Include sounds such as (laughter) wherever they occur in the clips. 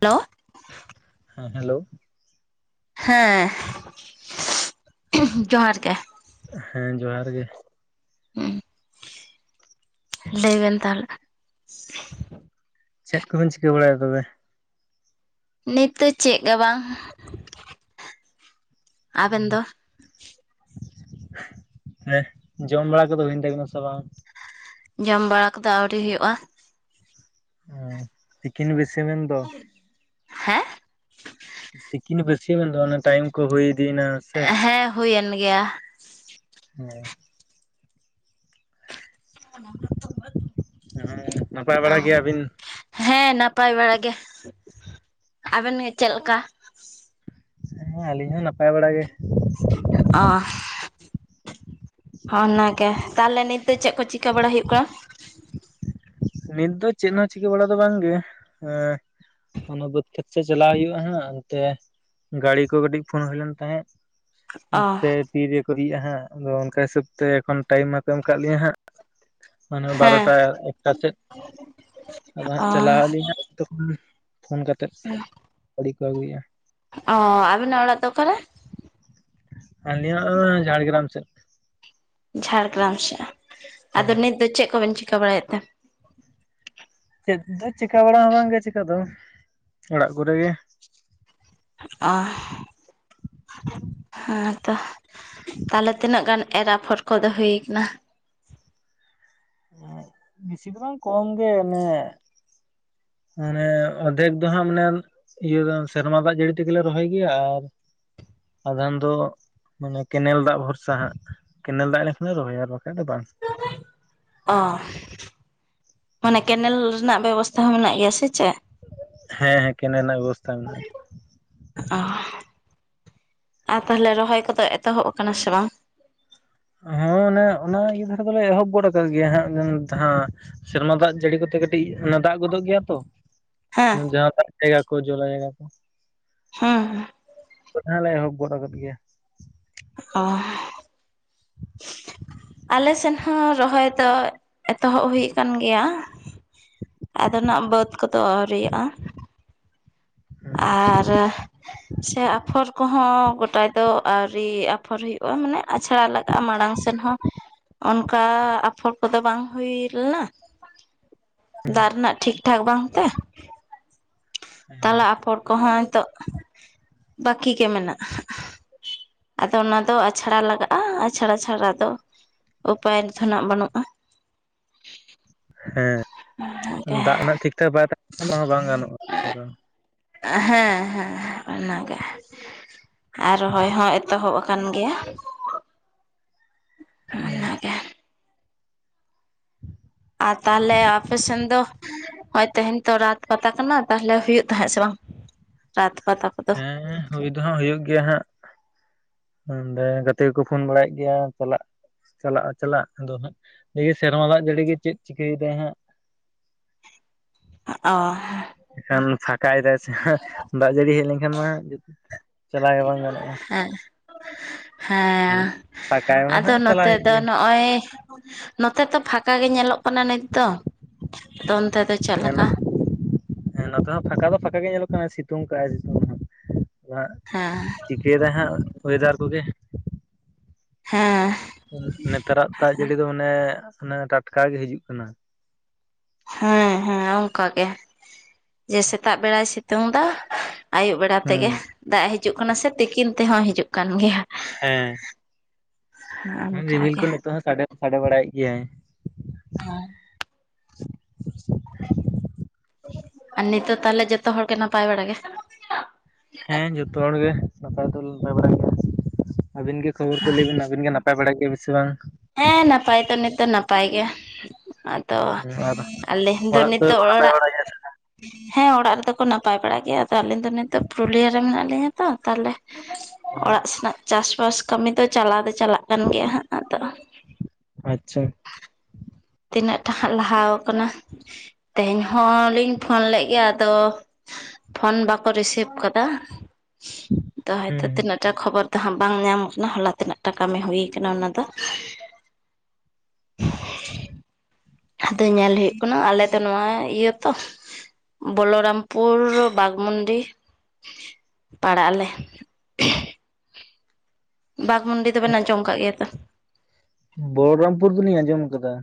Hello. ᱦᱮᱸ hello. ᱦᱮᱸ ᱡᱚᱦᱟᱨ ᱜᱮ᱾ ᱦᱮᱸ ᱡᱚᱦᱟᱨ ᱜᱮ᱾ ᱦᱩᱸ ᱞᱟᱹᱭ ᱵᱮᱱ ᱛᱟᱦᱚᱞᱮ? ᱪᱮᱫ ᱠᱚᱵᱮᱱ ᱪᱤᱠᱟᱹ ᱵᱟᱲᱟᱭᱫᱟ ᱛᱚᱵᱮ? ᱱᱤᱛ ᱫᱚ ᱪᱮᱫ ᱜᱮ ᱵᱟᱝ ᱟᱵᱮᱱ ᱫᱚ? ᱦᱮᱸ ᱡᱚᱢ ᱵᱟᱲᱟ ᱠᱚᱫᱚ ᱦᱩᱭᱮᱱ ᱛᱟᱵᱮᱱᱟ ᱥᱮ ᱵᱟᱝ? ᱡᱚᱢ ᱵᱟᱲᱟ ᱠᱚᱫᱚ ᱟᱹᱣᱨᱤ ᱦᱩᱭᱩᱜᱼᱟ ᱾ ᱛᱤᱠᱤᱱ ᱵᱮᱥᱟᱹᱢ ᱢᱮᱱ ᱫᱚ᱾ ᱦᱮᱸ? ᱛᱤᱠᱤᱱ ᱵᱟᱹᱥᱭᱟᱹᱢ ᱮᱱ ᱫᱚ ᱚᱱᱟ ᱴᱟᱭᱤᱢ ᱠᱚ ᱦᱩᱭ ᱤᱫᱤᱭᱮᱱᱟ ᱾ ᱦᱮᱸ ᱦᱩᱭᱮᱱ ᱜᱮᱭᱟ ᱾ ᱦᱮᱸ᱾ ᱟᱨ ᱱᱟᱯᱟᱭ ᱵᱟᱲᱟ ᱜᱮᱭᱟᱵᱤᱱ? ᱦᱮᱸ ᱱᱟᱯᱟᱭ ᱵᱟᱲᱟ ᱜᱮ ᱾ ᱟᱵᱮᱱ ᱜᱮ ᱪᱮᱫ ᱞᱮᱠᱟ? ᱦᱮᱸ ᱟᱹᱞᱤᱧ ᱦᱚᱸ ᱱᱟᱯᱟᱭ ᱵᱟᱲᱟ ᱜᱮ ᱾ ᱚ ᱦᱚᱸ ᱚᱱᱟᱜᱮ᱾ ᱛᱟᱦᱚᱞᱮ ᱱᱤᱛ ᱫᱚ ᱪᱮᱫ ᱠᱚ ᱪᱤᱠᱟᱹ ᱵᱟᱲᱟ ᱦᱩᱭᱩᱜ ᱠᱟᱱᱟ? ᱱᱤᱛ ᱫᱚ ᱪᱮᱫ ᱦᱚᱸ ᱪᱤᱠᱟᱹ ᱵᱟᱲᱟ ᱫᱚ ᱵᱟᱝᱜᱮ ᱮᱻ ᱚᱱᱟ ᱵᱟᱹᱫᱽ ᱠᱷᱮᱛ ᱥᱮᱜ ᱪᱟᱞᱟᱣ ᱦᱩᱭᱩᱜᱼᱟ ᱦᱟᱜ, ᱚᱱᱛᱮ ᱜᱟᱹᱲᱤ ᱠᱚ ᱠᱟᱹᱴᱤᱡ ᱯᱷᱳᱱ ᱦᱳᱭ ᱞᱮᱱ ᱛᱟᱦᱮᱸᱫ ᱚ ᱾ ᱛᱤᱨᱮᱠᱚ ᱥᱤᱭᱼᱟ ᱦᱟᱸᱜ ᱟᱫᱚ ᱚᱱᱠᱟ ᱦᱤᱥᱟᱹᱵ ᱛᱮ ᱮᱠᱷᱚᱱ ᱴᱟᱭᱤᱢ ᱢᱟᱠᱚ ᱮᱢ ᱠᱟᱜ ᱞᱤᱧᱟᱹ ᱦᱟᱸᱜ᱾ ᱢᱟᱱᱮ ᱦᱮᱸ ᱵᱟᱨᱚᱴᱟ ᱮᱠᱴᱟ ᱥᱮᱫ ᱟᱫᱚ ᱚ ᱦᱟᱸᱜ ᱪᱟᱞᱟᱜ ᱟᱞᱤᱧ᱾ ᱛᱮᱦᱮᱧᱟᱜ ᱛᱚᱠᱷᱚᱱ ᱯᱷᱳᱱ ᱠᱟᱛᱮᱫ ᱜᱟᱹᱰᱤ ᱠᱚ ᱟᱹᱜᱩᱭᱟ ᱾ ᱚᱻ ᱟᱹᱵᱤᱱᱟᱜ ᱚᱲᱟᱜ ᱫᱚ ᱚᱠᱟᱨᱮ? ᱟᱞᱤᱭᱟᱹᱜ ᱚᱲᱟᱜ (inaudible) ᱡᱷᱟᱲᱜᱨᱟᱢ ᱥᱮᱫ ᱾ ᱡᱷᱟᱲᱜᱨᱟᱢ ᱥᱮᱫ, ᱦᱮᱸ ᱟᱫᱚ ᱱᱤᱛ ᱫᱚ ᱪᱮᱫ ᱠᱚᱵᱮᱱ ᱪᱤᱠᱟᱹ ᱵᱟᱲᱟᱭᱮᱫ ᱛᱮ? ᱪᱮᱫ ᱫᱚ ᱪᱮᱠᱟ ᱵᱟᱲᱟ ᱦᱚᱸ ᱵᱟᱝᱜᱮ ᱪᱮᱠᱟ ᱫᱚ ᱚᱲᱟᱜ ᱠᱚᱨᱮᱜ ᱜᱮ ᱾ ᱚᱦ᱾ ᱦᱮᱸ ᱛᱚ ᱛᱟᱦᱚᱞᱮ ᱛᱤᱱᱟᱹᱜ ᱜᱟᱱ ᱮᱨ ᱟᱯᱷᱚᱨ ᱠᱚᱫᱚ ᱦᱩᱭ ᱠᱟᱱᱟ? ᱵᱤᱥᱤ ᱫᱚ ᱵᱟᱝ ᱠᱚᱢ ᱜᱮ ᱚᱱᱮ ᱢᱟᱱᱮ ᱚᱫᱷᱮᱠ ᱫᱚ ᱦᱟᱸᱜ ᱢᱟᱱᱮ ᱤᱭᱟᱹ, ᱥᱮᱨᱢᱟ ᱫᱟᱜ ᱡᱟᱹᱲᱤ ᱛᱮᱜᱮᱞᱮ ᱨᱚᱦᱚᱭ ᱜᱮᱭᱟ ᱟᱨ ᱟᱫᱷᱟᱱ ᱫᱚ ᱢᱟᱱᱮ ᱠᱮᱱᱮᱞ ᱫᱟᱜ ᱵᱷᱚᱨᱥᱟ ᱦᱟᱸᱜ ᱠᱮᱱᱮᱞ ᱫᱟᱜ ᱞᱮᱱᱠᱷᱟᱱ ᱞᱮ ᱨᱚᱦᱚᱭᱟ ᱟᱨ ᱵᱟᱠᱷᱟᱱ ᱫᱚ ᱵᱟᱝ ᱾ (inaudible) ᱚ᱾ ᱢᱟᱱᱮ ᱠᱮᱱᱮᱞ ᱨᱮᱱᱟᱜ ᱵᱮᱵᱚᱥᱛᱷᱟ ᱦᱚᱸ ᱢᱮᱱᱟᱜ ᱜᱮᱭᱟ ᱥᱮ ᱪᱮᱫ? ᱦᱮᱸ ᱦᱮᱸ ᱠᱮᱱᱮᱞ ᱨᱮᱱᱟᱜ ᱵᱮᱵᱚᱥᱛᱷᱟ ᱢᱮᱱᱟᱜᱼᱟ ᱾ ᱚ, ᱟᱨ ᱛᱟᱦᱞᱮ ᱨᱚᱦᱚᱭ ᱠᱚᱫᱚ ᱮᱛᱚᱦᱚᱵ ᱟᱠᱟᱱᱟ ᱥᱮ ᱵᱟᱝ? ᱦᱮᱸ, ᱚᱱᱮ ᱚᱱᱟ ᱤᱭᱟᱹ ᱫᱷᱟᱨᱮ ᱫᱚᱞᱮ ᱮᱦᱚᱵ ᱜᱚᱫ ᱟᱠᱟᱫ ᱜᱮᱭᱟ ᱦᱟᱸᱜ ᱡᱟᱦᱟᱸ ᱥᱮᱨᱢᱟ ᱫᱟᱜ ᱡᱟᱹᱲᱤ ᱠᱚᱛᱮ ᱠᱟᱹᱴᱤᱡ ᱫᱟᱜ ᱜᱚᱫᱚᱜ ᱜᱮᱭᱟ ᱛᱚ ᱾ ᱦᱮᱸ ᱡᱟᱦᱟᱸ ᱫᱟᱜ ᱛᱮ (unintelligible) ᱫᱟᱠᱚ ᱾ ᱦᱮᱸ᱾ ᱟᱫᱷᱟ ᱞᱮ ᱮᱦᱚᱵ ᱜᱚᱫ ᱟᱠᱟᱫ ᱜᱮᱭᱟ ᱾ ᱚ᱾ ᱟᱞᱮ ᱥᱮᱱ ᱦᱚᱸ ᱨᱚᱦᱚᱭ ᱫᱚ, ᱮᱛᱚᱦᱚᱵ ᱦᱩᱭ ᱟᱠᱟᱱ ᱜᱮᱭᱟ ᱾ ᱟᱫᱚ ᱱᱟᱜ ᱵᱟᱹᱫᱽ ᱠᱚᱫᱚ ᱟᱹᱣᱨᱤᱭᱟᱜ-ᱟ ᱾ ᱟᱨᱻ ᱥᱮ ᱟᱯᱷᱚᱨ ᱠᱚᱦᱚᱸ ᱜᱚᱴᱟ ᱫᱚ ᱟᱹᱣᱨᱤ ᱟᱯᱷᱚᱨ ᱦᱩᱭᱩᱜᱼᱟ, ᱢᱟᱱᱮ ᱟᱪᱷᱲᱟ ᱞᱮᱠ ᱢᱟᱲᱟᱝ ᱥᱮᱱ ᱦᱚᱸ ᱚᱱᱠᱟ, ᱟᱯᱷᱚᱨ ᱠᱚᱫᱚ ᱵᱟᱝ ᱦᱳᱭ ᱞᱮᱱᱟ ᱾ ᱫᱟᱜ ᱨᱮᱱᱟᱜ ᱴᱷᱤᱠᱴᱷᱟᱠ ᱵᱟᱝᱛᱮ ᱾ ᱛᱟᱞᱟ ᱟᱯᱷᱚᱨ ᱠᱚᱦᱚᱸ ᱱᱤᱛᱚᱜ, ᱵᱟᱹᱠᱤ ᱜᱮ ᱢᱮᱱᱟᱜ-ᱟ ᱾ ᱟᱫᱚ ᱚᱱᱟ ᱫᱚ ᱟᱪᱷᱲᱟ ᱞᱟᱜᱟᱜ-ᱟ ᱟᱪᱷᱲᱟ ᱪᱷᱟᱲᱟ ᱫᱚ ᱩᱯᱟᱭ ᱨᱮᱫᱷᱚ ᱱᱟᱜ ᱵᱟᱹᱱᱩᱜ-ᱟ ᱾ ᱦᱮᱸ, ᱫᱟᱜ ᱨᱮᱱᱟᱜ ᱴᱷᱤᱠᱴᱷᱟᱠ ᱵᱟᱭ ᱛᱟᱦᱮ ᱠᱷᱟᱱ ᱦᱚᱸ ᱵᱟᱝ ᱜᱟᱱᱚᱜ ᱠᱚᱨᱟᱣ᱾ ᱦᱮᱸ ᱦᱮᱸ ᱚᱱᱟᱜᱮ᱾ ᱟᱨ ᱨᱚᱦᱚᱭ ᱦᱚᱸ ᱮᱛᱚᱦᱚᱵ ᱟᱠᱟᱱ ᱜᱮᱭᱟ ᱾ ᱚᱱᱟᱜᱮ ᱾ (inaudible) ᱟᱨ ᱛᱟᱦᱚᱞᱮ ᱟᱯᱮᱥᱮᱱ ᱫᱚ? ᱦᱳᱭ ᱛᱮᱦᱮᱧ ᱛᱚ ᱨᱟᱛ ᱯᱟᱛᱟ ᱠᱟᱱᱟ ᱛᱟᱦᱚᱞᱮ ᱦᱩᱭᱩᱜ ᱛᱟᱦᱮᱸᱫ ᱥᱮ ᱵᱟᱝ, ᱨᱟᱛ ᱯᱟᱛᱟ? ᱠᱚᱫᱚ ᱦᱮᱸ ᱦᱩᱭ ᱫᱚ ᱦᱟᱸᱜ ᱦᱩᱭᱩᱜ ᱜᱮᱭᱟ ᱦᱟᱸᱜ᱾ ᱚᱸᱰᱮ ᱜᱟᱛᱮ ᱠᱚᱠᱚ ᱯᱷᱳᱱ ᱵᱟᱲᱟᱭᱮᱫ ᱜᱮᱭᱟ ᱪᱟᱞᱟᱜ᱾ ᱪᱟᱞᱟᱜᱼᱟ ᱪᱟᱞᱟᱜ ᱟᱫᱚ ᱦᱟᱸᱜ, ᱫᱮᱠᱷᱤ ᱥᱮᱨᱢᱟ ᱫᱟᱜ ᱡᱟᱹᱲᱤ ᱜᱮ ᱪᱮᱫ ᱪᱤᱠᱟᱹᱭ ᱫᱟᱭ ᱦᱟᱸᱜ ᱾ (inaudible) ᱟ, ᱚᱻ ᱮᱱᱠᱷᱟᱱ ᱯᱷᱟᱸᱠᱟᱭ ᱫᱟᱭ ᱥᱮ ᱱᱟᱜ ᱡᱟᱹᱲᱤ ᱦᱮᱡ ᱞᱮᱱᱠᱷᱟᱱ ᱢᱟ ᱪᱟᱞᱟᱣ ᱜᱮ ᱵᱟᱝ ᱜᱟᱱᱚᱜᱼᱟ᱾ ᱟᱨ ᱟᱫᱚ ᱦᱮᱸ ᱯᱷᱟᱸᱠᱟᱭ ᱢᱟ ᱟᱫᱚ ᱱᱟᱜ ᱪᱟᱞᱟᱣ ᱱᱚᱛᱮ ᱦᱩᱭᱩᱜ ᱫᱚ ᱜᱮᱭᱟ ᱱᱚ ᱱᱚᱜᱼᱚᱭ ᱱᱚᱛᱮ ᱛᱚ ᱯᱷᱟᱸᱠᱟ ᱜᱮ ᱧᱮᱞᱚᱜ ᱠᱟᱱᱟ ᱱᱤᱛ ᱫᱚ᱾ ᱟᱫᱚ ᱚᱱᱛᱮ ᱫᱚ ᱪᱮᱫᱞᱮᱠᱟ? ᱦᱮᱸ ᱱᱚᱛᱮ ᱦᱚᱸ ᱯᱷᱟᱸᱠᱟ ᱫᱚ ᱯᱷᱟᱸᱠᱟ ᱜᱮ ᱧᱮᱞᱚᱜ ᱠᱟᱱᱟ ᱥᱤᱛᱩᱝ ᱠᱟᱜᱼ ᱟᱭ ᱥᱤᱛᱩᱝ ᱟᱫᱚ ᱦᱟᱸᱜ ᱦᱮᱸ ᱪᱤᱠᱟᱹᱭᱮᱫᱟ ᱦᱟᱸᱜ ᱚᱭᱮᱫᱟᱨ ᱠᱚᱜᱮ᱾ ᱦᱮᱸ᱾ ᱱᱮᱛᱟᱨᱟᱜ ᱫᱟᱜ ᱡᱟᱹᱲᱤ ᱫᱚ ᱚᱱᱮ ᱴᱟᱴᱠᱟ ᱜᱮ ᱦᱤᱡᱩᱜ ᱠᱟᱱᱟ᱾ ᱦᱮᱸ ᱦᱮᱸ ᱚᱱᱠᱟ ᱜᱮ ᱡᱮ ᱥᱮᱛᱟᱜ ᱵᱮᱲᱟᱭ ᱥᱤᱛᱩᱝ ᱫᱟ᱾ ᱟᱭᱭᱩᱵ ᱵᱮᱲᱟ ᱛᱮᱜᱮ ᱫᱟᱜ ᱦᱤᱡᱩᱜ ᱠᱟᱱᱟ ᱥᱮ ᱛᱤᱠᱤᱱ ᱛᱮᱦᱚᱸ ᱦᱤᱡᱩᱜ ᱠᱟᱱ ᱜᱮᱭᱟ᱾ ᱦᱮᱸ᱾ ᱦᱮᱸ ᱨᱤᱢᱤᱞ ᱠᱚ ᱚᱱᱠᱟᱜᱮ ᱱᱤᱛᱚᱜ ᱦᱚᱸ ᱥᱟᱰᱮ ᱥᱟᱰᱮ ᱵᱟᱲᱟᱭᱮᱫ ᱜᱮᱭᱟᱭ᱾ ᱦᱮᱸ‍‍᱾ ᱟᱨ ᱱᱤᱛᱚᱜ ᱛᱟᱦᱚᱞᱮ ᱡᱚᱛᱚ ᱦᱚᱲᱜᱮ ᱱᱟᱯᱟᱭ ᱵᱟᱲᱟ ᱜᱮ? ᱦᱮᱸ ᱡᱚᱛᱚ ᱦᱚᱲ ᱜᱮ ᱱᱟᱯᱟᱭ ᱫᱚ ᱱᱟᱯᱟᱭ ᱵᱟᱲᱟ ᱜᱮᱭᱟ ᱟᱹᱵᱤᱱ ᱜᱮ ᱠᱷᱚᱵᱚᱨ ᱠᱚ ᱞᱟᱹᱭ ᱵᱮᱱ᱾ ᱤᱱ ᱜᱮ ᱱᱟᱯᱟᱭ ᱵᱟᱲᱟᱭ ᱜᱮᱭᱟ ᱵᱮᱥᱤ ᱥᱮ ᱵᱟᱝ? ᱦᱮᱸ ᱱᱟᱯᱟᱭ ᱛᱚ ᱱᱤᱛ ᱫᱚ ᱱᱟᱯᱟᱭ ᱜᱮ᱾ ᱛᱚ ᱟᱨ ᱟᱞᱮ ᱫᱚ ᱚᱲᱟᱜ ᱠᱚᱨᱮ ᱱᱤᱛᱚᱜ ᱠᱚ ᱱᱟᱯᱟᱭ ᱚᱲᱟᱜ ᱵᱟᱲᱟ ᱜᱮᱭᱟ ᱥᱮ ᱦᱮᱸ ᱚᱲᱟᱜ ᱨᱮᱫᱚ- ᱠᱚ ᱱᱟᱯᱟᱭ ᱵᱟᱲᱟ ᱜᱮᱭᱟ ᱟᱫᱚ ᱟᱹᱞᱤᱧ ᱫᱚ ᱱᱤᱛᱚᱜ ᱯᱩᱨᱩᱞᱤᱭᱟᱹ ᱨᱮ ᱢᱮᱱᱟᱜ ᱞᱤᱧᱟᱹ ᱛᱚ ᱛᱟᱦᱚᱞᱮ ᱚᱲᱟᱜ ᱥᱮᱱᱟᱜ- ᱪᱟᱥᱵᱟᱥ ᱠᱟᱹᱢᱤ ᱫᱚ ᱪᱟᱞᱟᱣ ᱫᱚ ᱪᱟᱞᱟᱜ ᱠᱟᱱ ᱜᱮᱭᱟ ᱦᱟᱸᱜ ᱟᱫᱚ- ᱟᱪᱷᱟ᱾ ᱛᱤᱱᱟᱹᱜ ᱴᱟᱸᱜ ᱞᱟᱦᱟ ᱟᱠᱟᱱᱟ ᱛᱮᱦᱮᱧ ᱦᱚᱞᱤᱧ ᱯᱷᱳᱱ ᱞᱮᱫ ᱜᱮᱭᱟ ᱟᱫᱚ- ᱯᱷᱳᱱ ᱵᱟᱠᱚ ᱨᱤᱥᱤᱵᱷ ᱠᱟᱫᱟ ᱟᱫᱚ ᱦᱚᱭᱛᱚ ᱦᱩᱸ ᱛᱤᱱᱟᱹᱜ- ᱡᱟᱦᱟᱸ ᱠᱷᱚᱵᱚᱨ ᱫᱚ ᱦᱟᱸᱜ ᱵᱟᱝ ᱧᱟᱢᱚᱜ ᱠᱟᱱᱟ ᱦᱚᱞᱟ ᱛᱤᱱᱟᱹᱜ ᱴᱟᱜ ᱠᱟᱹᱢᱤ ᱦᱩᱭ ᱠᱟᱱᱟ ᱚᱱᱟ ᱫᱚ᱾ ᱟᱫᱚ ᱧᱮᱞ ᱦᱩᱭᱩᱜ ᱠᱟᱱᱟ ᱟᱞᱮ- ᱱᱚᱣᱟ ᱤᱭᱟᱹ ᱛᱚ ᱵᱚᱞᱚᱨᱟᱢᱯᱩᱨ ᱵᱟᱜᱽᱢᱩᱱᱰᱤ- ᱯᱟᱲᱟᱜ ᱟᱞᱮ᱾ ᱵᱟᱜᱽᱢᱩᱱᱰᱤ ᱫᱚᱵᱮᱱ ᱟᱸᱡᱚᱢ ᱠᱟᱜ ᱜᱮᱭᱟ ᱛᱚ᱾ ᱵᱚᱞᱚᱨᱟᱢᱯᱩᱨ ᱫᱚᱞᱤᱧ ᱟᱸᱡᱚᱢ ᱟᱠᱟᱫᱟ᱾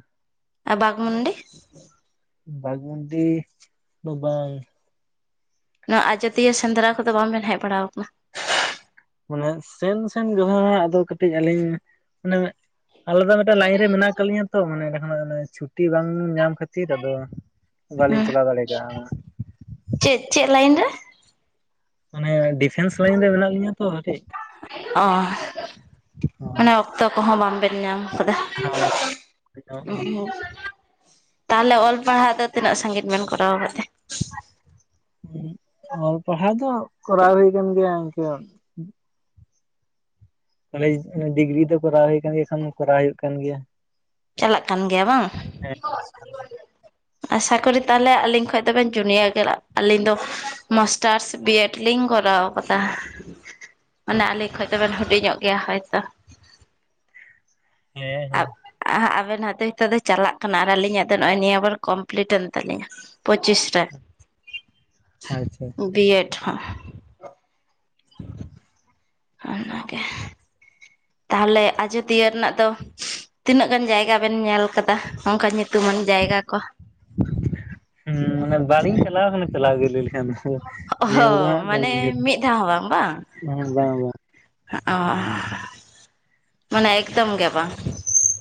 ᱟᱨ ᱵᱟᱜᱽᱢᱩᱰᱤ? ᱵᱟᱜᱽᱢᱩᱱᱰᱤ ᱫᱚ ᱵᱟᱝ᱾ ᱱᱚᱣᱟ ᱟᱡᱚᱫᱤᱭᱟᱹ ᱥᱮᱸᱫᱽᱨᱟ ᱠᱚᱫᱚ ᱵᱟᱢ ᱵᱮᱱ ᱦᱮᱡ ᱵᱟᱲᱟ ᱟᱠᱟᱱᱟ? ᱢᱟᱱᱮ ᱥᱮᱱ ᱥᱮᱱ ᱡᱟᱦᱟᱸ ᱟᱫᱚ ᱠᱟᱹᱴᱤᱡ ᱟᱹᱞᱤᱧ ᱢᱟᱱᱮ- ᱟᱞᱮ ᱫᱚ ᱢᱤᱫᱴᱮᱱ ᱞᱟᱭᱤᱱ ᱨᱮ ᱢᱮᱱᱟᱜ ᱟᱠᱟ ᱞᱤᱧᱟ ᱛᱚ ᱚᱸᱰᱮ ᱠᱷᱚᱱᱟᱜ ᱪᱷᱩᱴᱤ ᱵᱟᱝ ᱧᱟᱢ ᱠᱷᱟᱹᱛᱤᱨ- ᱪᱮᱫ ᱟᱫᱚ ᱵᱟᱹᱞᱤᱧ ᱦᱩᱸ ᱪᱟᱞᱟᱣ ᱫᱟᱲᱮ ᱠᱟᱜᱼᱟ᱾ ᱪᱮᱫ ᱪᱮᱫ ᱞᱟᱭᱤᱱ ᱨᱮ? ᱢᱟᱱᱮ ᱰᱤᱯᱷᱮᱱᱥ ᱞᱟᱭᱤᱱ ᱨᱮ ᱢᱮᱱᱟ ᱠᱟᱴᱤᱡ᱾ ᱚ ᱢᱟᱱᱮ ᱚᱠᱛᱚ ᱠᱚᱦᱚᱸ ᱵᱟᱢᱵᱮᱱ ᱧᱟᱢ ᱠᱟᱫᱟ᱾ ᱦᱳᱭ ᱚ (unintelligible) ᱛᱟᱦᱚᱞᱮ ᱚᱞ ᱯᱟᱲᱦᱟᱜ ᱫᱚ ᱛᱤᱱᱟᱹᱜ ᱥᱟᱸᱜᱤᱧ ᱵᱮᱱ ᱠᱚᱨᱟᱣ ᱟᱠᱟᱫᱟ? ᱦᱩ ᱚᱞ ᱯᱟᱲᱦᱟᱣ ᱫᱚ ᱠᱚᱨᱟᱣ ᱦᱩᱭ ᱠᱟᱱ ᱜᱮᱭᱟ ᱤᱱᱠᱟᱹ- ᱠᱚᱞᱮᱪ ᱰᱤᱜᱽᱨᱤ ᱫᱚ ᱠᱚᱨᱟᱣ ᱦᱩᱭ ᱟᱠᱟᱱ ᱜᱮᱭᱟ ᱠᱷᱟᱱ ᱠᱚᱨᱟᱣ ᱦᱩᱭᱩᱜ ᱠᱟᱱ ᱜᱮᱭᱟ᱾ ᱪᱟᱞᱟᱜ ᱠᱟᱱ ᱜᱮᱭᱟ ᱵᱟᱝ᱾ ᱦᱮᱸ ᱟᱥᱟᱠᱚᱨᱮ ᱛᱟᱦᱚᱞᱮ ᱟᱹᱞᱤᱧ ᱠᱷᱚᱱ ᱫᱚᱵᱮᱱ ᱡᱩᱱᱭᱟᱨ ᱜᱮᱭᱟ ᱟᱹᱞᱤᱧ ᱫᱚ ᱢᱟ- ᱥᱴᱟᱨᱥ ᱵᱤᱭᱮᱰ ᱞᱤᱧ ᱠᱚᱨᱟᱣ ᱟᱠᱟᱫᱟ᱾ (inaudible) ᱢᱟᱱᱮ ᱟᱹᱞᱤᱧ ᱠᱷᱚᱱ ᱫᱚᱚᱵᱮᱱ ᱦᱩᱰᱤᱧᱚᱜ ᱜᱮᱭᱟ ᱦᱳᱭᱛᱳ᱾ ᱦᱮᱸ ᱦᱮᱸ᱾ ᱟᱵᱮᱱᱟᱜ ᱱᱤᱛᱚᱜ ᱫᱚ ᱪᱟᱞᱟᱜ ᱠᱟᱱᱟ ᱟᱨ ᱟᱹᱞᱤᱧᱟᱜ ᱫᱚ ᱱᱚᱜᱼᱚᱭ ᱱᱤᱭᱟᱹ ᱵᱟᱨ ᱠᱚᱢᱯᱞᱤᱤᱴ ᱮᱱ ᱛᱟᱞᱤᱧᱟ᱾ ᱯᱚᱸᱪᱤᱥ ᱨᱮ᱾ ᱟᱪᱷᱟ ᱾ ᱫᱤᱭᱮ ᱴᱷᱚ ᱟᱨ ᱚᱱᱟᱜᱮ᱾ ᱛᱟᱦᱞᱮ ᱟᱡᱳᱫᱤᱭᱟᱹ ᱨᱮᱱᱟᱜ ᱫᱚ᱾ ᱛᱤᱱᱟᱹᱜ ᱜᱟᱱ ᱡᱟᱭᱜᱟ ᱵᱮᱱ ᱧᱮᱞ ᱟᱠᱟᱫᱟ? ᱚᱱᱠᱟ ᱧᱩᱛᱩᱢᱟᱱ ᱡᱟᱭᱜᱟ ᱠᱚ ᱾ ᱦᱩᱸ ᱢᱟᱱᱮ ᱵᱟᱹᱞᱤᱧ ᱪᱟᱞᱟᱣ ᱠᱟᱱᱟ ᱪᱟᱞᱟᱣ ᱜᱮ ᱞᱟᱹᱭ ᱞᱮᱠᱷᱟᱱ᱾ ᱫᱚ ᱚᱦᱚ ᱧᱮᱞ ᱫᱚ ᱦᱟᱸᱜ ᱢᱟᱱᱮ ᱦᱮᱸ ᱢᱤᱫ ᱫᱷᱟᱹᱣ ᱦᱚᱸ ᱵᱟᱝ, ᱵᱟᱝ? ᱵᱟᱝ ᱵᱟᱝ ᱦᱚᱸᱜ-ᱚ, ᱢᱟᱱᱮ ᱮᱠᱫᱚᱢ ᱜᱮ ᱵᱟᱝ᱾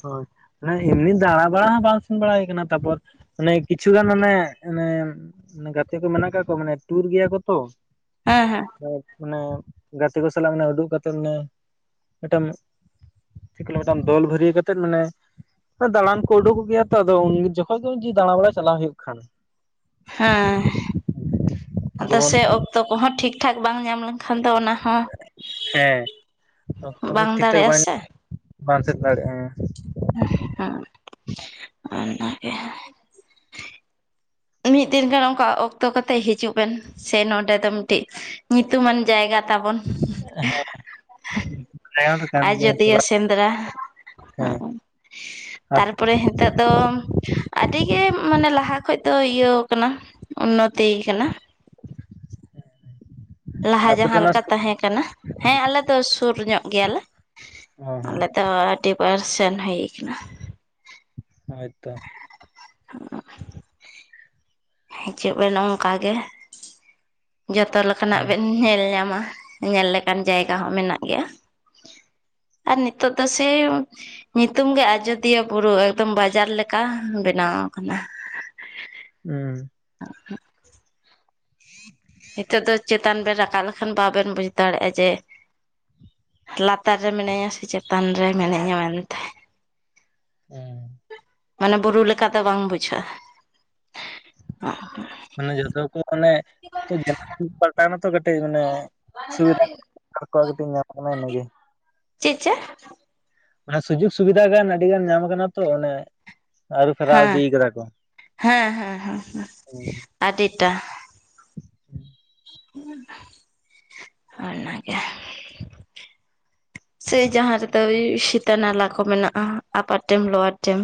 ᱦᱳᱭ, ᱚᱱᱟ ᱮᱢᱱᱤ ᱫᱟᱬᱟ ᱵᱟᱲᱟ ᱦᱚᱸ ᱵᱟᱝ ᱥᱮᱱ ᱵᱟᱲᱟᱭ ᱠᱟᱱᱟ, ᱛᱟᱨᱯᱚᱨ ᱢᱟᱱᱮ ᱠᱤᱪᱷᱩ ᱜᱟᱱ ᱟᱱᱮ ᱟᱱᱮ ᱜᱟᱛᱮ ᱠᱚ ᱢᱮᱱᱟᱜ ᱠᱟᱫ ᱠᱚᱣᱟ ᱢᱟᱱᱮ ᱴᱩᱨ ᱜᱮᱭᱟ ᱠᱚ ᱛᱚ᱾ ᱦᱮᱸ ᱦᱮᱸ᱾ ᱮᱫ ᱟᱱᱮ ᱜᱟᱛᱮ ᱠᱚ ᱥᱟᱞᱟᱜ ᱩᱫᱩᱜ ᱠᱟᱛᱮ ᱢᱟᱱᱮ ᱢᱤᱫᱴᱟᱝ (unintelligible) ᱢᱤᱫᱴᱟᱝ ᱫᱚᱞ ᱵᱷᱟᱹᱨᱭᱟ ᱠᱟᱛ ᱛᱮᱫ ᱢᱟᱱᱮ ᱚᱭ ᱫᱟᱬᱟᱱ ᱠᱚ ᱩᱰᱩᱠᱚᱜ ᱜᱮᱭᱟ ᱛᱚ ᱟᱫᱚ ᱩᱱ ᱡᱚᱠᱷᱚᱱ ᱜᱮ ᱡᱮ ᱫᱟᱬᱟ ᱵᱟᱲᱟ ᱪᱟᱞᱟᱣ ᱦᱩᱭᱩᱜ ᱠᱷᱟᱱ᱾ ᱦᱮᱸ, ᱟᱫᱚ ᱡᱮᱢᱚᱱ ᱥᱮ ᱚᱠᱛᱚ ᱠᱚᱦᱚᱸ ᱴᱷᱤᱠ ᱴᱷᱟᱠ ᱵᱟᱝ ᱧᱟᱢ ᱞᱮᱱ ᱠᱷᱟᱱ ᱫᱚ ᱚᱱᱟ ᱦᱚᱸ ᱦᱮᱸ, ᱚᱠᱛᱚ ᱵᱟᱝ ᱴᱷᱤᱠ ᱴᱷᱟᱠ ᱫᱟᱲᱮᱜᱼᱟ ᱵᱟᱝ ᱥᱮ (inaudible) ᱵᱟᱢ ᱥᱮᱱ ᱫᱟᱲᱮᱭᱟᱜᱼᱟ᱾ ᱦᱮᱸ ᱚᱱᱱᱟᱜᱮ᱾ ᱢᱤᱫ ᱫᱤᱱ ᱜᱟᱱ ᱚᱱᱠᱟ ᱚᱠᱛᱚ ᱠᱟᱛᱮᱜ ᱦᱤᱡᱩᱜ ᱵᱮᱱ ᱥᱮ ᱱᱚᱰᱮ ᱫᱚ ᱢᱤᱫᱴᱤᱡ ᱧᱩᱛᱩᱢᱟᱱ ᱡᱟᱭᱜᱟ ᱛᱟᱵᱚᱱ᱾ ᱦᱮᱸ᱾ (unintelligible) ᱫᱚ ᱠᱟᱱ ᱜᱮᱭᱟ ᱦᱮᱸᱥᱮ ᱟᱡᱚᱫᱤᱭᱟᱹ ᱵᱟᱝ? ᱥᱮᱸᱫᱽᱨᱟ ᱦᱮᱸ ᱾ ᱛᱟᱨᱯᱚᱨᱮ (inaudible) ᱱᱤᱛᱚᱜ ᱫᱚᱢ ᱟᱹᱰᱤ ᱜᱮ ᱢᱟᱱᱮ ᱞᱟᱦᱟ ᱠᱷᱚᱡ ᱛᱚ ᱤᱭᱟᱹᱣ ᱠᱟᱱᱟ ᱩᱱᱱᱚᱛᱤᱭ ᱠᱟᱱᱟ᱾ ᱦᱮᱸ᱾ ᱞᱟᱦᱟ ᱡᱟᱦᱟᱸ ᱞᱮᱠᱟ ᱛᱟᱦᱮᱸ ᱠᱟᱱᱟ᱾ ᱦᱮᱸ, ᱟᱞᱮ ᱫᱚ ᱥᱩᱨ ᱧᱚᱜ ᱜᱮᱭᱟᱞᱮ᱾ ᱚ, ᱦᱮᱸ᱾ ᱴᱤ ᱵᱟᱨᱥᱮᱱ ᱦᱩᱭ ᱟᱠᱟᱱᱟ᱾ ᱦᱳᱭ ᱛᱚ᱾ (inaudible) ᱦᱤᱡᱩᱜ ᱵᱮᱱ ᱚᱱᱠᱟ ᱜᱮ᱾ ᱡᱚᱛᱚ ᱞᱮᱠᱟᱱᱟᱜ ᱦᱮᱸ ᱵᱮᱱ ᱧᱮᱞ ᱧᱟᱢᱟ᱾ ᱧᱮᱞ ᱞᱮᱠᱟᱱ ᱡᱟᱭᱜᱟ ᱦᱚᱸ ᱢᱮᱱᱟᱜ ᱜᱮᱭᱟ ᱟᱨ ᱱᱤᱛᱚᱜ ᱫᱚ ᱥᱮᱭ ᱧᱩᱛᱩᱢᱜ ᱜᱮ ᱟᱡᱚᱫᱤᱭᱟᱹ ᱵᱩᱨᱩ᱾ ᱮᱠᱫᱚᱢ ᱵᱟᱡᱟᱨ ᱞᱮᱠᱟ ᱵᱮᱱᱟᱣ ᱟᱠᱟᱱᱟ᱾ ᱦᱩᱸ᱾ (inaudible) ᱦᱤᱛᱚᱜ ᱫᱚ ᱪᱮᱛ ᱛᱟᱱ ᱵᱮᱱ ᱨᱟᱠᱟᱵ ᱞᱮᱠᱷᱟᱱ ᱵᱟᱹᱵᱮᱱ ᱵᱩᱡᱽ ᱫᱟᱲᱮᱭᱟᱜᱼᱟ ᱡᱮ ᱞᱟᱛᱟᱨ ᱨᱮ ᱢᱤᱱᱟᱹᱧᱟ ᱥᱮ ᱪᱮᱛᱟᱱ ᱨᱮ ᱢᱤᱱᱟᱹᱧᱟ ᱢᱮᱱᱛᱮ᱾ ᱦᱩᱸ᱾ ᱢᱟᱱᱮ ᱵᱩᱨᱩ ᱞᱮᱠᱟ ᱫᱚ ᱵᱟᱝ ᱵᱩᱡᱷᱟᱹᱜᱼᱟ᱾ ᱢᱟᱱᱮ ᱡᱷᱚᱛᱚ ᱠᱚ ᱢᱟᱱᱮ (unintelligible) ᱛᱚ ᱠᱟᱹᱴᱤᱡ ᱢᱟᱱᱮ ᱥᱩᱵᱤᱫᱟ (unintelligible) ᱠᱟᱹᱴᱤᱡ ᱧᱟᱢᱚᱜ ᱠᱟᱱᱟ ᱤᱱᱟᱹᱜᱮ᱾ ᱪᱮᱫ ᱪᱮᱫ? ᱢᱟᱱᱮ ᱥᱩᱡᱳᱜᱽ ᱥᱩᱵᱤᱫᱷᱟ ᱜᱟᱱ ᱟᱹᱰᱤ ᱜᱟᱱ ᱧᱟᱢ ᱟᱠᱟᱱᱟ ᱛᱚ ᱚᱱᱮ ᱟᱨᱩ ᱯᱷᱮᱨᱟᱣ ᱦᱮᱸ ᱤᱫᱤᱭ ᱠᱟᱫᱟ ᱠᱚ, ᱦᱩᱸ᱾ ᱟᱰᱤᱴᱟ᱾ ᱦᱳᱭ ᱚᱱᱟ ᱜᱮ᱾ ᱥᱮ ᱡᱟᱦᱟᱸ ᱨᱮᱫᱚ ᱥᱤᱛᱟ ᱱᱟᱞᱟ ᱠᱚ ᱢᱮᱱᱟᱜᱼᱟ᱾ Upper dam lower dam.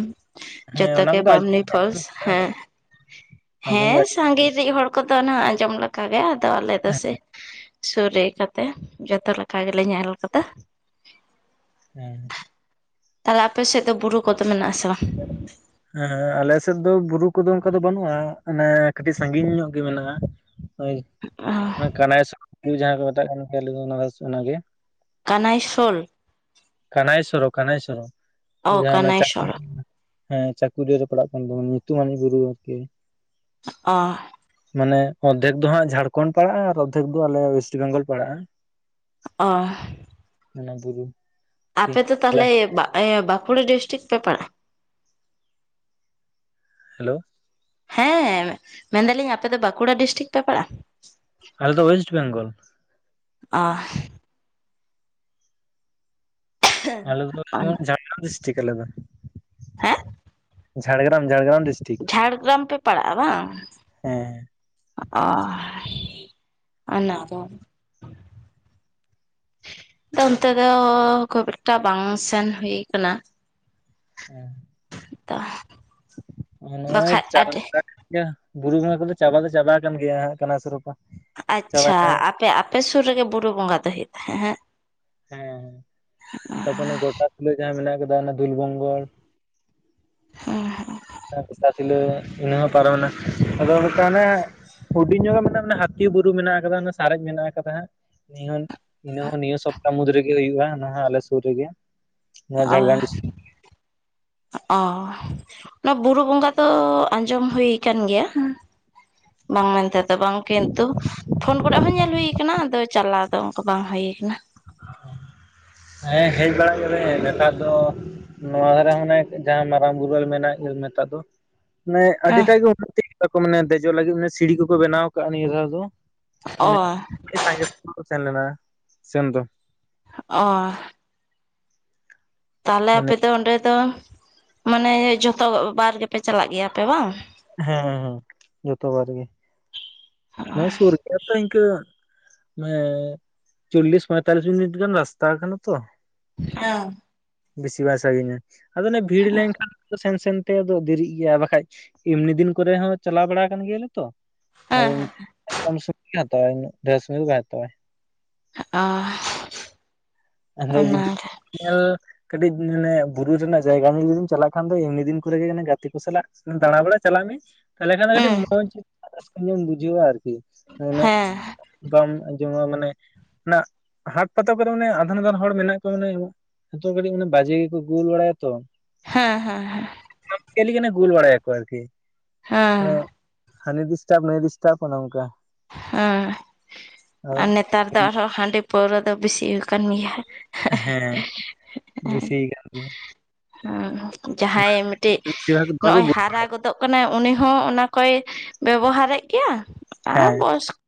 ᱦᱮᱸ ᱡᱚᱛᱚ ᱚᱱᱟ ᱜᱮ ᱠᱚᱫᱚ ᱵᱟᱢᱱᱤ ᱟᱸᱡᱚᱢ ᱯᱷᱚᱞᱥ᱾ ᱦᱮᱸ᱾ (inaudible) ᱦᱮᱸ ᱥᱟᱺᱜᱮ ᱟᱸᱡᱚᱢ ᱨᱤᱜ ᱦᱚᱲ ᱠᱚᱫᱚ ᱩᱱᱟᱹᱜ ᱟᱸᱡᱚᱢ ᱞᱮᱠᱟᱜᱮ ᱟᱫᱚ ᱟᱞᱮ ᱫᱚ ᱥᱮ ᱥᱩᱨ ᱨᱮ ᱤᱠᱟᱹᱛᱮ ᱡᱚᱛᱚ ᱞᱮᱠᱟ ᱜᱮᱞᱮ ᱧᱮᱞ ᱠᱟᱫᱟ᱾ (inaudible) ᱛᱟᱦᱚᱞᱮ ᱟᱯᱮ ᱥᱮᱜ ᱫᱚ ᱵᱩᱨᱩ ᱠᱚᱫᱚ ᱢᱮᱱᱟᱜ ᱟᱥᱮ ᱵᱟᱝ? ᱦᱮᱸ ᱟᱞᱮ ᱥᱮᱫ ᱫᱚ ᱵᱩᱨᱩ ᱠᱚᱫᱚ ᱚᱱᱠᱟ ᱫᱚ ᱵᱟᱹᱱᱩᱜ-ᱟ ᱢᱟᱱᱮ ᱠᱟᱹᱴᱤᱡ ᱥᱟᱺᱜᱤᱧ ᱧᱚᱜ ᱜᱮ ᱢᱮᱱᱟᱜ-ᱟ᱾ ᱦᱳᱭ ᱚᱱᱟ ᱠᱟᱱᱟᱜ ᱥᱳ ᱛᱩ ᱡᱟᱦᱟᱸ ᱠᱚ ᱢᱮᱛᱟᱜ ᱠᱟᱱᱟ ᱠᱟᱞᱤ ᱵᱚᱜᱟ ᱦᱟᱣᱩᱥ ᱚᱱᱟᱜᱮ᱾ ᱠᱟᱱᱟᱭᱥᱳᱞ ᱠᱟᱱᱟᱭᱥᱚᱨ ᱠᱟᱱᱟᱭᱥᱚᱨ᱾ ᱳ ᱠᱟᱱᱟᱭᱥᱚᱨᱟ᱾ ᱦᱮᱸ ᱪᱟᱹᱠᱩᱨᱤᱭᱟᱹ ᱨᱮ ᱯᱟᱲᱟᱜ ᱠᱟᱱ ᱛᱟᱵᱚᱱᱟ ᱧᱩᱛᱩᱢᱟᱱ ᱵᱩᱨᱩ ᱟᱨᱠᱤ᱾ ᱚᱦ᱾ ᱢᱟᱱᱮ ᱚᱨᱫᱷᱮᱠ ᱫᱚ ᱦᱟᱸᱜ ᱡᱷᱟᱲᱠᱷᱚᱱᱰ ᱯᱟᱲᱟᱜ-ᱟ ᱟᱨ ᱚᱨᱫᱷᱮᱠ ᱫᱚ ᱟᱞᱮ ᱚᱭᱮᱥᱴ ᱵᱮᱝᱜᱚᱞ ᱯᱟᱲᱟᱜ-ᱟ᱾ ᱚᱦ ᱚᱱᱟ ᱥᱩᱨᱩ᱾ ᱟᱯᱮ ᱫᱚ ᱛᱟᱦᱚᱞᱮ ᱵᱟᱜ ᱵᱟᱸᱠᱩᱲᱟ ᱰᱤᱥᱴᱤᱠ ᱯᱮ ᱯᱟᱲᱟᱜ-ᱟ? ᱦᱮᱞᱳ᱾ ᱦᱮᱸ ᱢᱮᱱᱫᱟᱞᱤᱧ ᱟᱯᱮ ᱫᱚ ᱵᱟᱸᱠᱩᱲᱟ ᱰᱤᱥᱴᱤᱠ ᱯᱮ ᱯᱟᱲᱟᱜ-ᱟ᱾ ᱟᱞᱮ ᱫᱚ ᱚᱭᱮᱥᱴ ᱵᱮᱝᱜᱚᱞ᱾ ᱚᱦ᱾ ᱟᱞᱮ ᱫᱚᱞᱮ ᱦᱩᱭᱩᱜ ᱠᱟᱱ ᱡᱷᱟᱲᱜᱨᱟᱢ ᱰᱤᱥᱴᱤᱠ ᱟᱞᱮ ᱫᱚ᱾ ᱦᱮᱸ ᱡᱷᱟᱲᱜᱨᱟᱢ ᱡᱷᱟᱲᱜᱨᱟᱢ ᱰᱤᱥ ᱡᱷᱟᱲᱜᱨᱟᱢ ᱯᱮ ᱯᱟᱲᱟᱜ-ᱟ ᱵᱟᱝ? ᱦᱮᱸ ᱟᱦ ᱟᱱᱟ ᱠᱚ᱾ ᱛᱚ ᱚᱱᱛᱮ ᱫᱚ ᱠᱷᱩᱵᱽ ᱮᱠᱴᱟ ᱵᱟᱝ ᱥᱮᱱ ᱦᱩᱭ ᱠᱟᱱᱟ (inaudible) (inaudible) ᱱᱚᱜᱚ ᱱᱚᱜᱚᱭ ᱵᱟᱠᱷᱟᱡ ᱟᱹᱰᱤ (unintelligible) ᱵᱩᱨᱩ ᱵᱚᱸᱜᱟ ᱠᱚᱫᱚ ᱪᱟᱵᱟ ᱫᱚ ᱪᱟᱵᱟ ᱟᱠᱟᱱ ᱜᱮᱭᱟ ᱦᱟᱸᱜ ᱠᱟᱱᱟᱥᱩᱨᱯᱟ᱾ ᱟᱪᱪᱷᱟ ᱟᱯᱮ ᱟᱯᱮ ᱥᱩᱨ ᱨᱮᱜᱮ ᱵᱩᱨᱩ ᱵᱚᱸᱜᱟ ᱫᱚ ᱦᱩᱭᱩᱜ ᱛᱟᱦᱮᱜ ᱦᱮᱸ ᱦᱮᱸ ᱛᱟᱯᱚᱨᱮ ᱜᱚᱴᱟ ᱛᱩᱞᱟᱹ ᱡᱟᱦᱟᱸ ᱢᱮᱱᱟᱜ ᱠᱟᱫᱟ ᱚᱱᱟ ᱫᱩᱞ ᱵᱚᱝᱜᱚᱲ (inaudible) (unintelligible) ᱚᱱᱟᱦᱚ ᱯᱟᱨᱚᱢ ᱮᱱᱟ ᱟᱫᱚ ᱢᱤᱫᱴᱟᱱ ᱦᱟᱱᱮ ᱦᱩᱰᱤᱧ ᱧᱚᱜ ᱜᱮ ᱢᱮᱱᱟᱜ-ᱟ ᱦᱟᱹᱛᱤ ᱵᱩᱨᱩ ᱢᱮᱱᱟᱜ ᱟᱠᱟᱫᱟ ᱚᱱᱟ ᱥᱟᱨᱮᱡ ᱢᱮᱱᱟᱜ ᱟᱠᱟᱫᱟ ᱦᱟᱸᱜ (unintelligible) ᱤᱱᱟᱹ ᱦᱚᱸ ᱱᱤᱭᱟᱹ ᱥᱚᱯᱛᱟ ᱢᱩᱫᱽ ᱨᱮᱜᱮ ᱦᱩᱭᱩᱜ-ᱟ ᱱᱚᱣᱟ ᱦᱚ ᱟᱞᱮ ᱥᱩᱨ ᱨᱮᱜᱮ᱾ ᱱᱚᱣᱟ ᱚ ᱡᱷᱟᱲᱜᱨᱟᱢ ᱰᱤᱥᱴᱤᱠ ᱚ ᱚᱱᱟ ᱵᱩᱨᱩ ᱵᱚᱸᱜᱟ ᱫᱚ ᱟᱸᱡᱚᱢ ᱦᱩᱭ ᱠᱟᱱ ᱜᱮᱭᱟ᱾ ᱵᱟᱝ ᱢᱮᱱᱛᱮᱫᱚ ᱵᱟᱝ ᱠᱤᱱᱛᱩ ᱯᱷᱳᱱ ᱠᱚᱨᱮᱜ ᱦᱚᱸ ᱧᱮᱞ ᱦᱩᱭ ᱠᱟᱱᱟ ᱟᱫᱚ ᱪᱟᱞᱟᱣ ᱫᱚ ᱚᱱᱠᱟ ᱵᱟᱝ ᱦᱩᱭ ᱟᱠᱟᱱᱟ᱾ ᱦᱮᱸ ᱦᱮᱡ ᱵᱟᱲᱟᱜ ᱜᱮᱞᱮ ᱱᱮᱛᱟᱨ ᱫᱚ (unintelligible) ᱢᱟᱱᱮ ᱦᱮᱸ ᱟᱹᱰᱤᱴᱟᱜ ᱜᱮ ᱩᱱᱱᱚᱛᱤ ᱠᱮᱫᱟ ᱠᱚ ᱢᱟᱱᱮ ᱫᱮᱡᱚᱜ ᱞᱟᱹᱜᱤᱫ ᱥᱤᱲᱤ ᱠᱚᱠᱚ ᱵᱮᱱᱟᱣ ᱠᱟᱜ-ᱟ ᱱᱤᱭᱟᱹ ᱫᱷᱟᱣ ᱫᱚ᱾ ᱚ ᱢᱟᱱᱮ ᱟᱹᱰᱤ ᱥᱟᱸᱜᱮ ᱠᱚ ᱥᱮᱱ ᱞᱮᱱᱟ ᱥᱮᱱ ᱫᱚ᱾ ᱚᱦ᱾ ᱛᱟᱦᱚᱞᱮ ᱢᱟᱱᱮ ᱟᱯᱮᱫᱚ ᱚᱸᱰᱮ ᱫᱚ ᱢᱟᱱᱮ ᱡᱷᱚᱛᱚ ᱵᱟᱨ ᱜᱮᱯᱮ ᱪᱟᱞᱟᱜ ᱜᱮᱭᱟᱯᱮ ᱵᱟᱝ ᱦᱮᱸ ᱦᱮᱸ ᱦᱮᱸ ᱡᱷᱚᱛᱚ ᱵᱟᱨ ᱜᱮ᱾ ᱦᱮᱸ ᱫᱚᱢᱮ ᱥᱩᱨ ᱜᱮᱭᱟ ᱛᱚ ᱤᱱᱠᱟᱹ ᱢᱟᱱᱮ ᱪᱚᱞᱞᱤᱥ ᱯᱚᱸᱭᱛᱟᱞᱞᱤᱥ ᱢᱤᱱᱤᱴ ᱜᱟᱱ ᱨᱟᱥᱛᱟ ᱠᱟᱱᱟ ᱛᱚ᱾ (inaudible) ᱵᱮᱥᱤ ᱵᱟᱭ ᱥᱟᱺᱜᱤᱧᱟ ᱟᱫᱚ ᱚᱱᱮ ᱵᱷᱤᱲ ᱞᱮᱱᱠᱷᱟᱱ ᱥᱮᱱ ᱥᱮᱱᱛᱮ ᱟᱫᱚ ᱫᱮᱨᱤᱜ ᱜᱮᱭᱟ ᱵᱟᱠᱷᱟᱡ ᱮᱢᱱᱤ ᱫᱤᱱ ᱠᱚᱨᱮ ᱦᱚᱸ ᱪᱟᱞᱟᱣ ᱵᱟᱲᱟ ᱟᱠᱟᱱ ᱜᱮᱭᱟᱞᱮ ᱛᱚ᱾ ᱦᱮᱸ (inaudible) (inaudible) ᱟᱫᱚ ᱡᱩᱫᱤ ᱚᱱᱟᱜᱮ ᱧᱮᱞ ᱠᱟᱹᱴᱤᱡ ᱢᱟᱱᱮ ᱵᱩᱨᱩ ᱨᱮᱱᱟᱜ ᱡᱟᱭᱜᱟ ᱨᱮ ᱡᱩᱫᱤᱢ ᱪᱟᱞᱟᱜ ᱠᱷᱟᱱ ᱫᱚ ᱮᱢᱱᱤ ᱫᱤᱱ ᱠᱚᱨᱮᱜ ᱜᱮ ᱚᱱᱮ ᱜᱟᱛᱮ ᱠᱚ ᱥᱟᱞᱟᱜ ᱫᱟᱲᱟ ᱵᱟᱲᱟ ᱪᱟᱞᱟᱜ ᱢᱮ ᱛᱟᱞᱦᱮ ᱠᱷᱟᱱ ᱫᱚ ᱠᱟᱹᱴᱤᱡ ᱦᱩᱸ ᱢᱚᱡᱽ (inaudible) ᱧᱚᱜ ᱮᱢ ᱵᱩᱡᱷᱟᱹᱣᱟ ᱟᱨᱠᱤ᱾ ᱩᱱᱟᱹᱜ ᱦᱮᱸ ᱵᱟᱢ ᱟᱡᱚᱢᱟ ᱢᱟᱱᱮ ᱚᱱᱟ ᱦᱟᱴ ᱯᱟᱛᱟ ᱠᱚᱨᱮ ᱢᱟᱱᱮ ᱮᱢᱚᱱ ᱮᱢᱚᱱ ᱦᱚᱲ ᱢᱮᱱᱟᱜ ᱠᱚᱣᱟ ᱢᱟᱱᱮ ᱱᱤᱛᱚᱜ ᱠᱟᱹᱴᱤᱡ ᱢᱟᱱᱮ ᱵᱟᱡᱮ ᱜᱮᱠᱚ ᱜᱩᱞ ᱵᱟᱲᱟᱭᱟ ᱛᱚ᱾ ᱦᱮᱸ ᱦᱮᱸ ᱦᱮᱸ᱾ (inaudible) ᱜᱳᱞ ᱵᱟᱲᱟᱭᱟ ᱠᱚ ᱟᱨᱠᱤ᱾ ᱦᱮᱸ ᱦᱟᱱᱤ ᱫᱤᱥᱴᱟᱯ ᱱᱩᱭ ᱫᱤᱥᱴᱟᱯ ᱚᱱᱮ ᱚᱱᱠᱟ᱾ ᱦᱮᱸ ᱟᱨ ᱱᱮᱛᱟᱨ ᱫᱚ ᱟᱨᱦᱚᱸ ᱦᱟᱹᱰᱤ ᱯᱟᱹᱣᱨᱟᱹ ᱫᱚ ᱵᱮᱥᱤ ᱠᱟᱹᱢᱤᱭᱟ᱾ ᱦᱮᱸ (inaudible) ᱦᱩᱸ ᱡᱟᱦᱟᱸᱭ ᱢᱤᱫᱴᱤᱡ ᱱᱚᱜ-ᱭ ᱦᱟᱨᱟ ᱜᱚᱫᱚᱜ ᱠᱟᱱᱟᱭ ᱩᱱᱤ ᱦᱚᱸ ᱚᱱᱟ ᱠᱚᱭ ᱵᱮᱵᱚᱦᱟᱨ ᱮᱫ ᱜᱮᱭᱟ᱾ ᱦᱮᱸ᱾ (inaudible)